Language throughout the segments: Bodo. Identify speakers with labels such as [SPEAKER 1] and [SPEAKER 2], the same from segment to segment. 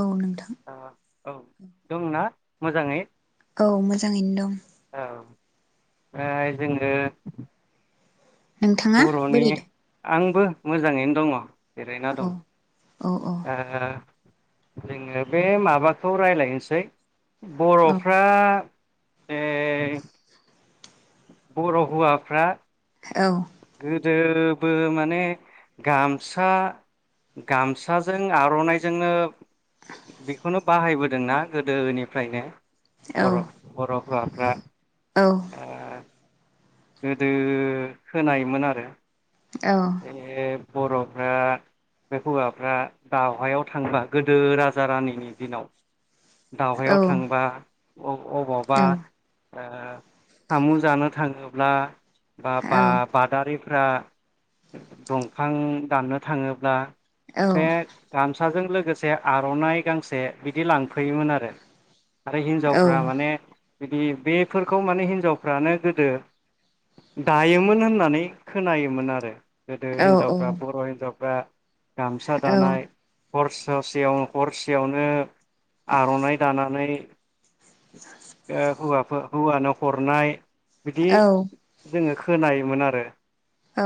[SPEAKER 1] औ नोंथां
[SPEAKER 2] औ
[SPEAKER 1] ओम
[SPEAKER 2] दंना मोजाङै
[SPEAKER 1] औ मोजाङैनो दं
[SPEAKER 2] औ ओमफ्राय जोङो
[SPEAKER 1] नोंथाङा बोरै दं
[SPEAKER 2] बो मोजाङैनो दङ। जेरायना
[SPEAKER 1] औ
[SPEAKER 2] दं
[SPEAKER 1] औ औ
[SPEAKER 2] जोङो बे माबाखौ रायज्लायनोसै
[SPEAKER 1] औ
[SPEAKER 2] बर'फ्रा ए बर' हौवाफ्रा
[SPEAKER 1] औ
[SPEAKER 2] गोदोबो माने गामसा गामसाजों आर'नाइजोंनो बेखौनो बाहायबोदोंना गोदोनिफ्रायनो बर' बर' हौवाफ्रा
[SPEAKER 1] औ
[SPEAKER 2] ओ गोदो खोनायोमोन आरो
[SPEAKER 1] औ
[SPEAKER 2] ए बर'फ्रा बे हौवाफ्रा दावहायाव थांबा गोदो राजा रानिनि दिनाव दावहायाव थांबा
[SPEAKER 1] औ
[SPEAKER 2] अबावबा फामु जानो थाङोब्ला बा बा बादारि फ्रा दंफां दाननो थांङोब्ला बे थाम जों लोगोसे आरनाइ गांसे बिदि लां फैयोमोन आरो आरो हिन्जावफ्रा माने बिदि बेफोरखौ माने हिनजावफ्रानो गोदो दायोमोन होननानै खोनायोमोन आरो गोदो हिनजावफ्रा बर हिनजावफ्रा बा। गामसा दानाय हर ससेयाव हरसेयावनो आरनाइ दानानै हुवा हौवानो हरनाय बिदि
[SPEAKER 1] औ
[SPEAKER 2] जोंङो खोनायोमोन आरो।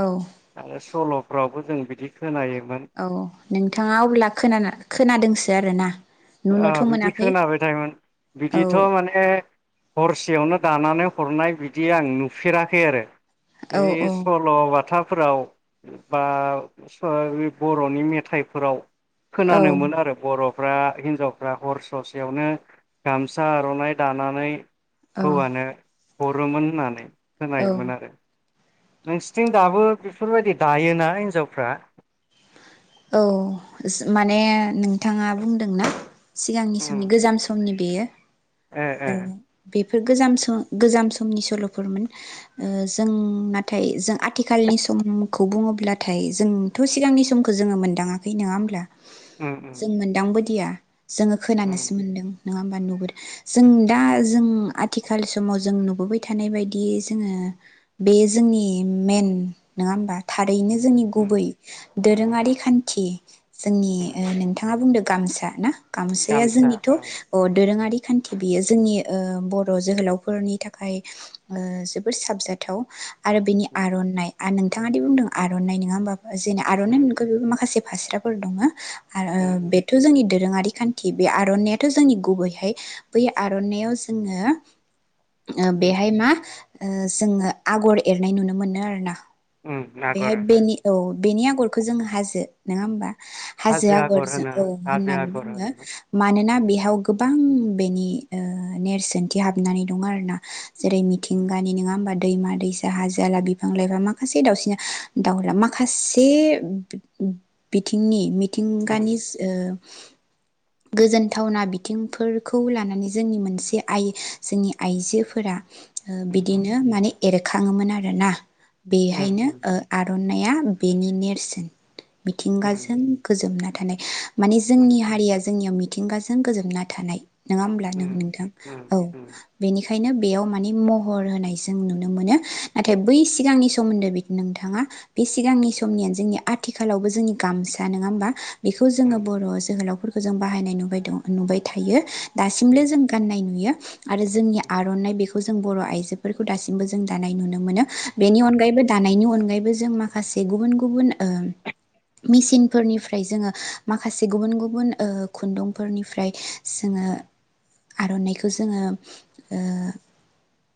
[SPEAKER 1] औ।
[SPEAKER 2] आरो सलफ्रावबो जों बिदि खोनायो
[SPEAKER 1] औ नोंथांङा अब्ला खा खोनादोंसै दो आरो ना?
[SPEAKER 2] बिदि खोनाबाय थोन
[SPEAKER 1] औ
[SPEAKER 2] बिदिथ माने हरसेयावनो दानानै हरनाय बिदि आं नुफेराखै आरो।
[SPEAKER 1] औ
[SPEAKER 2] ए
[SPEAKER 1] औ
[SPEAKER 2] सल बाथा फोराव बा बरनि मेथाइफोराव
[SPEAKER 1] औ
[SPEAKER 2] खोनानो मोनो आरो बरफ [unintelligible] हिन्जावफ्रा हर ससेयावनो गामसा आरनाइ दानानै
[SPEAKER 1] औ
[SPEAKER 2] हवानो हरोमोन होननानै।
[SPEAKER 1] औ
[SPEAKER 2] खोनायोमोन आरो। नोंसिरथिं दाबो बेफोरबायदि दायोना हिनजावफ्रा?
[SPEAKER 1] औ माने नोंथाङा बुंदोंना? सिगांनि
[SPEAKER 2] उम
[SPEAKER 1] समनि गोजाम समनि बेयो।
[SPEAKER 2] ए
[SPEAKER 1] [inaudible]
[SPEAKER 2] ए
[SPEAKER 1] बे गोज समनि सलफोरमोन जों नाथाय जों आथिखालनि समखौ बुंङोब्लाथाय जोंथ सिगांनि समखौ जोंङो मोनदांङाखै नंङा होनब्ला।
[SPEAKER 2] उम उम
[SPEAKER 1] जों मोनदांबोदिया। जोंङो
[SPEAKER 2] उम
[SPEAKER 1] खोनानोसो मोनदों। नङा होमबा नुबोदों जों दा जों आथिखाल समाव जों नुबोबाय थानाय बायदियै जोङो बे जोंनि मेन नङा होमबा थार रैनो जोंनि
[SPEAKER 2] उम
[SPEAKER 1] गुबै दोरोङारि खान्थि जोंनि
[SPEAKER 2] उम
[SPEAKER 1] नोंथाङा बुंदों गामसा ना? गामसाया
[SPEAKER 2] गामसा
[SPEAKER 1] जोंनिथ'
[SPEAKER 2] औ
[SPEAKER 1] अ दोरोङारि खान्थि बियो जोंनि ओ बर' जोहोलावफोरनि थाखाय ओ जोबोर साबजाथाव। आरो बिनि
[SPEAKER 2] उम
[SPEAKER 1] आर'नाइ। आ नोंथाङादि बुंदों आर'नाय नंङा होमबा जेना आर'नाय
[SPEAKER 2] उम
[SPEAKER 1] मुंखौ बेबो माखासे फास्राफोर दङ। आ ओ
[SPEAKER 2] उम उम
[SPEAKER 1] बेथ' जोंनि दोरोंङारि। बे खान्थि बे आर'नाइथ' जोंनि गुबैहै बै आर'नाइआव जोंङो ओ
[SPEAKER 2] उम
[SPEAKER 1] बेहाय मा ओ जोंङो आगर एरनाय नुनो मोनो आरोना।
[SPEAKER 2] उम आगर
[SPEAKER 1] बेहाय बेनि औ। बेनियाव आगरखौ जों हाजो नङा होमबा? हाजो आगर जों
[SPEAKER 2] होनो
[SPEAKER 1] औ
[SPEAKER 2] हाजो
[SPEAKER 1] होननानै
[SPEAKER 2] आगर
[SPEAKER 1] बुंङो
[SPEAKER 2] होनो
[SPEAKER 1] मानोना
[SPEAKER 2] उम
[SPEAKER 1] बेयाव गोबां। बेनि ओ नेरसोनथि हाबनानै दं आरोना। जेरै
[SPEAKER 2] उम
[SPEAKER 1] मिथिंगानि नङा होमबा? दैमा-दैसा, हाजो- हाला, बिफां -लाइफां माखासे दाउसि दाउला माखासे बे बिथिंनि
[SPEAKER 2] उम
[SPEAKER 1] मिथिंगानिस ओ! गोजोनथावना बिथिंफोरखौ लानानै जोंनि मोनसे आइ जोंनि आइजोफोरा। ओ बिदिनो माने। एरखांङोमोन आरोना। बेहायनो
[SPEAKER 2] गोसारनाय
[SPEAKER 1] ओ आर' नाया बेनि नेरसोन। मिथिंगाजों गोजोमना थानाय माने जोंनि हारिया जोंनियाव मि मिथिंगाजों गोजोमना थानाय। नङा होमब्ला नों नोंथां? औ बेनिखाइ खायनो बेयाव माने महर होनाय जों नुनो मोनो नाथाय बै सिगांनि सोमोन्दै नोंथाङा बे सिगांनि समनियानो जोंनि आथिखालावबो जोंनि गामसा नङा होमबा? बेखौ जोंङो बर' जोहोलावफोर जों बाहायनायाय नुबाय दं नुबाय थायो दासिमब्लो जों गाननाय नुयो। आरो जोंनि आर'नाइ बेखौ जों बर' आइजोफोरखौ दासिमबो जों दानाय नुनो मोनो बेनि अनगायैबो दानायनि अनगायैबो जों मा माखासे गुबुन गुबुन ओ मेसिनफोरनिफ्राय जोङो माखासे गुबुन गुबुन ओ खुन्दुंफोरनिफ्राय जोङो आर'नाइखौ जोङो ओ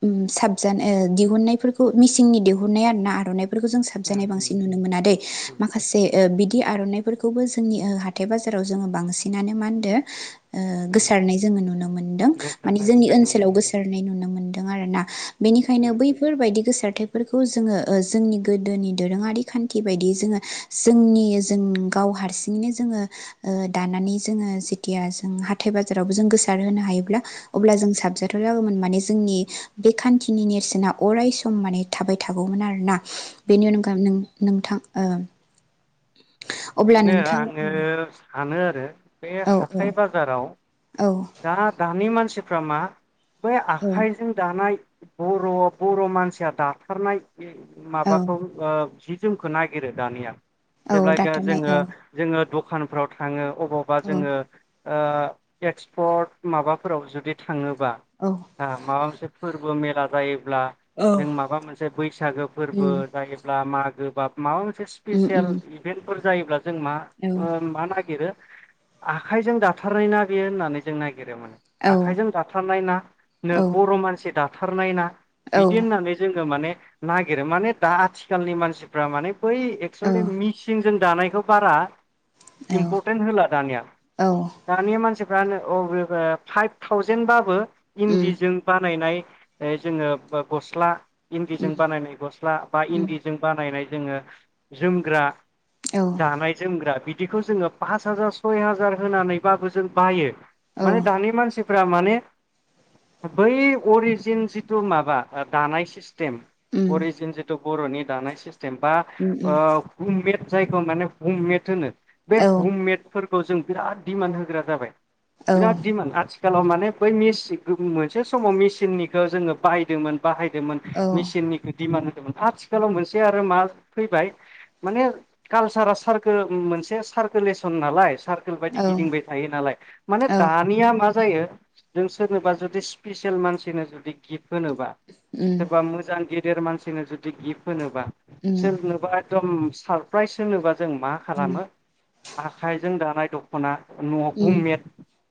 [SPEAKER 1] उम साबजान ओ दिहुननायफोरखौ मेसिननि दिहुननाय आरोना आर'नाफोरखौ जों जानाय बांसिन नुनो मोनादै माखासे ओ बिदि आर'नाइफोरखौबो जोंनि ओ हाथाय बाजाराव जोङो बांसिनानो मा होनदो ओ गोसारनाय जोङो नुनो मोन्दों माने जोंनि
[SPEAKER 2] खोनानो
[SPEAKER 1] ओनसोलाव
[SPEAKER 2] मोनदों
[SPEAKER 1] गोसारनाय नुनो मोनदो दों आरोना बेनिखायनो
[SPEAKER 2] उम
[SPEAKER 1] बैफोरबायदि गोसारथाइ फोरखौ जोङो ओ जोंनि गोदोनि दोरोङारि खान्थि बायदियै जोङो जोंनि जों गाव हारसिङैनो जोङो ओ दानानै जोङो जेथिया जों हाथाय बाजारावबो जों गोसार होनो हायोब्ला
[SPEAKER 2] उम
[SPEAKER 1] अब्ला जों साबजेक्ट थ जागौमोन माने जोंनि बे खान्थिनि नेरसोन अराय सम माने थाबाय थागौमोन आरोना। बेनो
[SPEAKER 2] उम
[SPEAKER 1] नों नोंथां ओ अब्ला
[SPEAKER 2] बेनो
[SPEAKER 1] नोंथां
[SPEAKER 2] आङो सानो रो बे
[SPEAKER 1] औ
[SPEAKER 2] हाथाय बाजाराव
[SPEAKER 1] औ
[SPEAKER 2] दा दानि मान सिफ्रा मा बै
[SPEAKER 1] औ
[SPEAKER 2] आखाइजों दानाय बर' बर' मानसिया दाथारनाय बे
[SPEAKER 1] औ
[SPEAKER 2] माबाखौ ओ जि जोमखौ नागिरो दानिया।
[SPEAKER 1] औ
[SPEAKER 2] जेब्ला ग
[SPEAKER 1] दाथारनाय
[SPEAKER 2] जोङो
[SPEAKER 1] औ
[SPEAKER 2] जोङो द खानफ्राव थाङो अबावबा
[SPEAKER 1] औ
[SPEAKER 2] जोङो ओ एक्स पट माबाफोराव जुदि थाङो बा
[SPEAKER 1] औ
[SPEAKER 2] आ माबा मोनसे फोर बो मेला जायो ब्ला
[SPEAKER 1] औ
[SPEAKER 2] जों माबा मोनसे बैसागो फोरबो
[SPEAKER 1] उम
[SPEAKER 2] जायोब्ला मा गो बा माबा मोनसे
[SPEAKER 1] उम
[SPEAKER 2] स्पेसियेल
[SPEAKER 1] उम
[SPEAKER 2] इभेन्ट फोर जायोब्ला जों मा
[SPEAKER 1] औ
[SPEAKER 2] ओ मा नागिरो आखाइजों दाथारनाय ना बेयो होननानै जोंनाय
[SPEAKER 1] औ
[SPEAKER 2] [unintelligible] आखाइजों दाथारनाय ना नो बर' मानसि दा थारनाय ना
[SPEAKER 1] औ
[SPEAKER 2] बिदि होननानै जोङो माने नागिरो माने दा आथिखालनि मानसिफ्रा माने बै एक्सले
[SPEAKER 1] औ
[SPEAKER 2] मिसिं जों दानायखौ बारा
[SPEAKER 1] औ
[SPEAKER 2] इमपर्टेन्ट होला दानिया
[SPEAKER 1] औ
[SPEAKER 2] दानिया मानसि फ्रानो औ [unintelligible] फाइभ थावजेेनबाबो
[SPEAKER 1] उम
[SPEAKER 2] इन्दिजों बानायनाय ओइ जोङो बो गस्ला
[SPEAKER 1] उम
[SPEAKER 2] इन्दिजों बानायनाय गस्ला बा
[SPEAKER 1] उम
[SPEAKER 2] इन्दिजों बानायनाय जोङो जोमग्रा
[SPEAKER 1] औ
[SPEAKER 2] दानाय जोमग्रा बि दिखौ जोङो पास हाजार सय हाजार होनानैबाबो जों बायो।
[SPEAKER 1] औ
[SPEAKER 2] माने दानि मानसि फोरा माने बै अरिजिन जिथु माबा ओ दानाय सिस थिम
[SPEAKER 1] उम
[SPEAKER 2] अरिजिन जिथु बर'नि दानाय सिस थिम बा
[SPEAKER 1] उम उम
[SPEAKER 2] ओ [unintelligible] जायखौ माने हममेद होनो बे
[SPEAKER 1] औ
[SPEAKER 2] हममेद फोर खौ जों बिराद दिमान होग्रा जाबाय
[SPEAKER 1] औ
[SPEAKER 2] बिराद दिमान आथि खालाव माने बै [unintelligible] मोनसे समाव मेसिननिखो जोङो बाहायदोमोन बाहायदोमोन
[SPEAKER 1] औ
[SPEAKER 2] मेसिननिखो दिमान दे बुं हाथिखालाव मोनसे आरो मा फैबाय माने कालसारा सारकोल उम मोनसे सारकोलेसन नालाय। सारकोल बायदि
[SPEAKER 1] औ
[SPEAKER 2] गिदिंबाय थायो नालाय। माने
[SPEAKER 1] औ
[SPEAKER 2] दानियाम। मा जायो जों सोरनोबा जुदि सिपिसेल मानसिनो जुदि गिफ होनोबा
[SPEAKER 1] उम
[SPEAKER 2] सोरबा मोजां गे देर मानसिनो जुदि गिफ होनोब बा
[SPEAKER 1] उम
[SPEAKER 2] सोरनोबा एकदम सारप्राइज होनोबा जों मा
[SPEAKER 1] उम
[SPEAKER 2] खालामो आखाइजों दानाय द'खना
[SPEAKER 1] उम
[SPEAKER 2] नउममेद।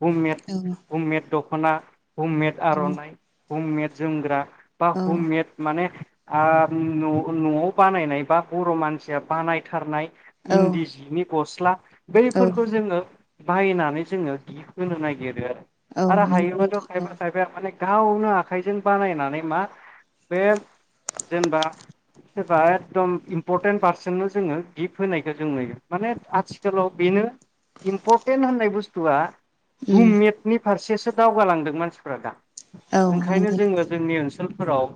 [SPEAKER 2] बुम मेद
[SPEAKER 1] औ औ
[SPEAKER 2] बुम मेद। दख'ना। अममेट आर'नाइ। उ मेद जोमग्रा। बा हुममेट माने आर न'-न'आव बानायनाय बा बर' मानसिया बानायथारनाय।
[SPEAKER 1] औ
[SPEAKER 2] इन्दिजिनिब गस्ला।
[SPEAKER 1] औ
[SPEAKER 2] बैफोरखौ जोङो बायनानै जोङो गिफ होनो नायगिरो आरो
[SPEAKER 1] औ
[SPEAKER 2] आरो
[SPEAKER 1] नंगौ
[SPEAKER 2] हायोबाथ'
[SPEAKER 1] नोंथां औ
[SPEAKER 2] खायफा खायफाया मानेग गावनो आखाइजों बानायनानै मा बे जेनबा सोरबा एकदम इम्परटेन्ट पार्सनेलन जोङो गिफ होनायखो जों नुयो माने आथिखालाव बेनो इम्परटेन्ट होननाय बुस्थुआ
[SPEAKER 1] उम
[SPEAKER 2] हुममेटनि फारसेस सो दावगालांदों मानसिफ्रा दा।
[SPEAKER 1] औ
[SPEAKER 2] ओंखायनो
[SPEAKER 1] नंगौ
[SPEAKER 2] जोङो
[SPEAKER 1] नोंथां
[SPEAKER 2] जोंनि ओनसोल फोराव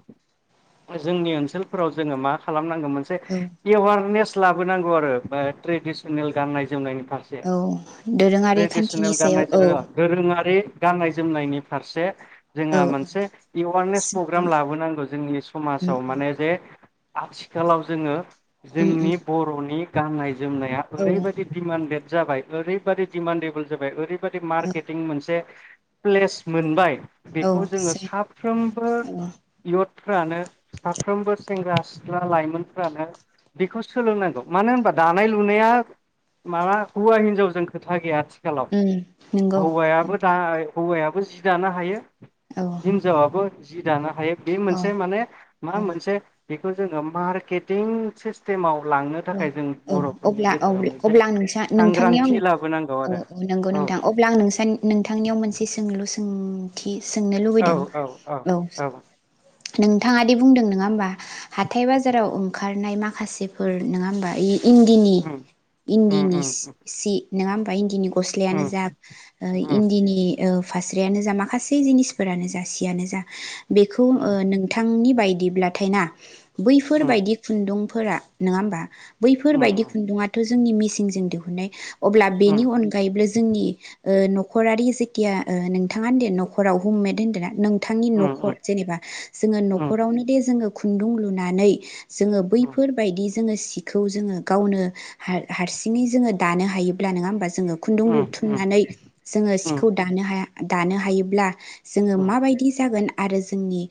[SPEAKER 2] जोंनि ओनसोलफोराव जोङो मा खालामनां जोंयो मोनसे
[SPEAKER 1] औ
[SPEAKER 2] एवारनेस लाबोनांगौ आरो ओमफाय ट्रेडिसनेल गाननाय जोमनायनिफ
[SPEAKER 1] औ दोरोङारि खान्थिनिस
[SPEAKER 2] गाननाय [unintelligible] दोरोङारि गाननाय जोमनायनि फारसे
[SPEAKER 1] औ
[SPEAKER 2] जोंहा मोनसे एवारनेस प्रग्राम लाबोनांगौ जोंनि
[SPEAKER 1] उम
[SPEAKER 2] समाजाव माने जे आथिखालाव जोङो
[SPEAKER 1] उम
[SPEAKER 2] जोंनि बर'नि गाननाय जोमनाया
[SPEAKER 1] उम
[SPEAKER 2] ओरैबायदि दिमान्डेत जाबाय ओरैबादि दिमान्डेबोल जा ओरै रैबादि
[SPEAKER 1] औ औ
[SPEAKER 2] मार्केटिं मोनसे प्लेस मोनबाय
[SPEAKER 1] औ
[SPEAKER 2] बेखौ जोङो
[SPEAKER 1] से
[SPEAKER 2] साफ्रोमबो
[SPEAKER 1] औ
[SPEAKER 2] इउथफ्रानो साफ्रोमबो सेंग्रा-सिख्ला लाइमोनफ्रानो बेखौ सोलोंनांगौ मानो होमबा दानाय-लुनाया माबा हौवा-हिनजावजों खोथा गैया आथिखाल
[SPEAKER 1] उम नंगौ
[SPEAKER 2] हौवायाबो दा
[SPEAKER 1] नोंथां
[SPEAKER 2] ओ हौवाया बो जि दानो हायो
[SPEAKER 1] औ
[SPEAKER 2] हिनजावाबो जि दानो हायो बे
[SPEAKER 1] औ
[SPEAKER 2] मोनसे माने मा
[SPEAKER 1] औ
[SPEAKER 2] मोनसे बेखौ जोङो मार्केटिं सिस्टेमाव लांनो
[SPEAKER 1] औ
[SPEAKER 2] थाखाय जों
[SPEAKER 1] औ
[SPEAKER 2] बर'फोरनि
[SPEAKER 1] अब्ला औ
[SPEAKER 2] गेजेराव मोनसे
[SPEAKER 1] अब्ला आं नोंसा
[SPEAKER 2] सांग्रांथि लाबोनांगौ आरो
[SPEAKER 1] नोंगौ
[SPEAKER 2] औ
[SPEAKER 1] नोंथां अब्ला आं नोंसा नोंथांनियाव मोनसे सोंलु सों ओम थि सोंनो लुबैदों औ नोंथाङा दि बुंदों नङा होमबा हाथाय-बाजाराव ओंखारनाय माखासे फोर नोङा होमबा इ इन्दिनि
[SPEAKER 2] उम उम
[SPEAKER 1] इन्दिनि
[SPEAKER 2] उम
[SPEAKER 1] सि नोङा होमबा इन्दिनि ग'स्लायानो
[SPEAKER 2] उम
[SPEAKER 1] जा ओ इन्दिनि ओ फास्रायानो जा माखासे जिनिसफोरानो जा सियानो जा बेखौ
[SPEAKER 2] उम
[SPEAKER 1] ओ नोंथांनि बाय दिब्लाथाय ना बैफोर बायदि खुन्दुंफो फोरा नोङा होमबा बैफोरबायदि
[SPEAKER 2] उम
[SPEAKER 1] खुन्दुङाथ' जोंनि मिसिंजों दिहुननाय अब्ला
[SPEAKER 2] उम
[SPEAKER 1] बेनि अनगायैबो जोंनि ओ नख न'खरारि जेथिया ओ नोंथाङा होनदो न'खराव हमेद होन्दो नों थांनि
[SPEAKER 2] उम
[SPEAKER 1] न'खर जेनेबा जोङो
[SPEAKER 2] उम
[SPEAKER 1] न'खरावनो दे जोङो खुन्दुं लुनानै जोङो बैफोर बायदि जोङो सिखौ जोङो गावनो हार हारसिङै जोङो दानो हायोब्ला नोङा होमबा? जोङो खुन्दुं
[SPEAKER 2] उम
[SPEAKER 1] लुथुमनानै जोङो सिखौ दानो हाया दानो हायोब्ला जोङो
[SPEAKER 2] उम
[SPEAKER 1] माबायदि जागोन? आरो जोंनि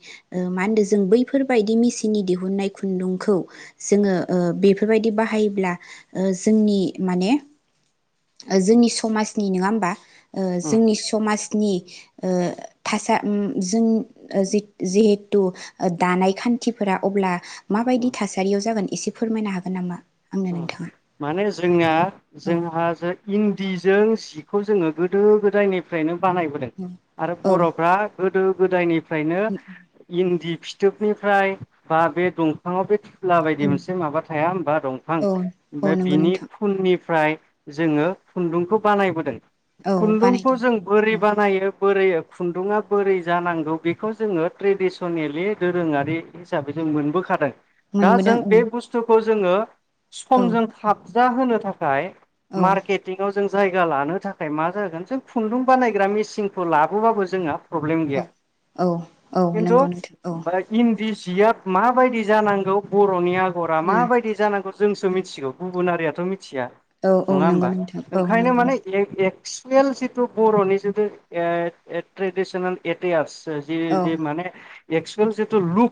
[SPEAKER 1] मा होनदों जों बैफोरबायदि मेसिननि दिहुननाय खुन्दुंखौ जोङो ओ बेफोरबायदि बाहायोब्ला ओ जोंनि माने ओ जोंनि समाजनि नङा होमबा? ओ
[SPEAKER 2] उम
[SPEAKER 1] जोंनि समाज नि ओ थासा उ जों जिहेथु दानाय खान्थिफोरा अब्ला
[SPEAKER 2] उम
[SPEAKER 1] माबायदि थासारियाव जागोन? एसे फोरमायनो हागोन नामा? आंनो नोंथाङा
[SPEAKER 2] माने जोंना
[SPEAKER 1] औ
[SPEAKER 2] जोंहा जे इन्दि जों सिखौ जोङो गोदो गोदायनिफ्रायनो बानायबोदों आरो
[SPEAKER 1] औ
[SPEAKER 2] बर'फ्रा गोदो गोदायनि फ्रायनो इन्दि फिथोबनिफ्राय बा बे दंफाङाव बे टुला बायदि मोनसे माबा थाया होनोमबा दं
[SPEAKER 1] औ औ
[SPEAKER 2] बे
[SPEAKER 1] नंगौ
[SPEAKER 2] बिनि
[SPEAKER 1] नोंथां
[SPEAKER 2] खुननि निफ्राय जोङो खुन्दुंखौ बानायबोदों।
[SPEAKER 1] औ
[SPEAKER 2] खुन्दुंखौ
[SPEAKER 1] बानायदों
[SPEAKER 2] जों बोरै
[SPEAKER 1] औ
[SPEAKER 2] बानायो? बोरै खुन्दुङा बोरै जानांगौ बेखौ जोङो ट्रेडिसनेलि दोरोङारि हिसाबै जों मोनबोखादों। दा
[SPEAKER 1] मोनबोदों
[SPEAKER 2] जों बे
[SPEAKER 1] ओं
[SPEAKER 2] बुस्थुखौ जोङो समजों थाब जा होनो थाखाय
[SPEAKER 1] औ
[SPEAKER 2] मार्केटिंआव जों जायगा लानो थाखाय मा जागोन जों खुन्दुं बानायग्रा मेचिनखौ लाबोबाबो जोंहा प्रब्लेम
[SPEAKER 1] औ
[SPEAKER 2] गैया
[SPEAKER 1] औ औ
[SPEAKER 2] खिन्थु
[SPEAKER 1] नंगौ नोंथां औ
[SPEAKER 2] बहाय इन्दिसि बियाब माबायदि जानांगौ बर'निया हरा माबायदि जानांगौ? जोंसो मिथिगौ गुबुन हारियाथ' मि मिथिया
[SPEAKER 1] औ औ
[SPEAKER 2] नङा
[SPEAKER 1] नंगौ
[SPEAKER 2] होमबा
[SPEAKER 1] नोंथां औ
[SPEAKER 2] ओंखायनो
[SPEAKER 1] नंगौ
[SPEAKER 2] माने
[SPEAKER 1] नोंथां
[SPEAKER 2] एग एक्स रियेल जिथु बर'नि जिथु ओ ट्रेडिसनेल एटयार्स ओ जि
[SPEAKER 1] औ
[SPEAKER 2] जि माने एक्सुयेनल जेतु' लुक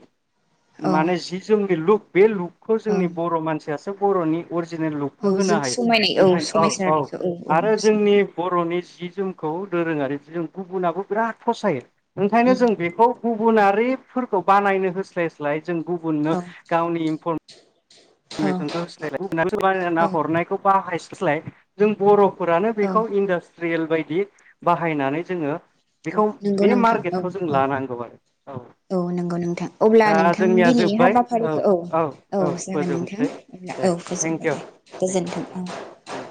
[SPEAKER 1] औ
[SPEAKER 2] माने जि जोंनि लुख बेलु खौ
[SPEAKER 1] औ
[SPEAKER 2] जोंनि बर' मानसि फयासो बर'नि अरिजिनेल लुख
[SPEAKER 1] औ
[SPEAKER 2] होनो
[SPEAKER 1] जों
[SPEAKER 2] हायो
[SPEAKER 1] समायनाय
[SPEAKER 2] ओंखायनो औ औ
[SPEAKER 1] समायसारनायखौ औ
[SPEAKER 2] आरो जोंनि बर'नि जि जोंखौ दोरोङारि जों गुबुनाबो बिराद फसायो ओंखायनो जों बेखौ गुबुनारिफोरखौ बानायनो होस्लायस्लाय जों गुबुननो गावनि इनफर फमेसनखौ होलाय सोरबा
[SPEAKER 1] औ
[SPEAKER 2] हरनायखौ बाहायस स्लाय जों बर' फोरानो
[SPEAKER 1] औ
[SPEAKER 2] बेखौ इन्डास्ट सिरियेल बायदि बाहायनानै जोङो
[SPEAKER 1] औ
[SPEAKER 2] बेखौ
[SPEAKER 1] नंगौ
[SPEAKER 2] बे
[SPEAKER 1] नोंथां औ
[SPEAKER 2] मार्केटखौ जों
[SPEAKER 1] औ
[SPEAKER 2] लानांगौ आरो
[SPEAKER 1] औ नंगौ नोंथां अब्ला
[SPEAKER 2] दा
[SPEAKER 1] नोंथां
[SPEAKER 2] जोंनिया
[SPEAKER 1] दिनैनि
[SPEAKER 2] जोब्बाय
[SPEAKER 1] हाबाफारिखौ औ औ जागोन नोंथां
[SPEAKER 2] फोजोबनोसै
[SPEAKER 1] अब्ला
[SPEAKER 2] दे
[SPEAKER 1] औ
[SPEAKER 2] थेंक
[SPEAKER 1] गोजोबबाय
[SPEAKER 2] इउ
[SPEAKER 1] दे
[SPEAKER 2] थेंक इउ
[SPEAKER 1] गोजोन्थों
[SPEAKER 2] उम
[SPEAKER 1] औ
[SPEAKER 2] उम।